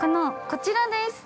◆こちらです。